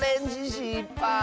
しっぱい。